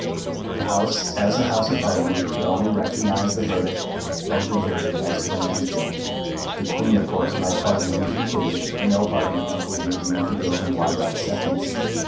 The House, as a House of Parliament, could only recognise the verdict of the jury as to the man's guilt. The Queen, of course, might pardon whom she pleased, but no pardon from the Queen would remove the guilt implied by the sentence.